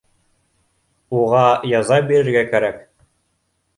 Уға яза бирергә кәрәк